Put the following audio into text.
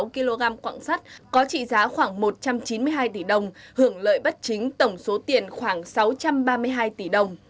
một mươi kg quạng sắt có trị giá khoảng một trăm chín mươi hai tỷ đồng hưởng lợi bất chính tổng số tiền khoảng sáu trăm ba mươi hai tỷ đồng